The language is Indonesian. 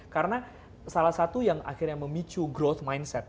karena salah satu yang akhirnya memicu growth mindset